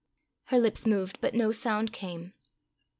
Her lips moved, but no sound came.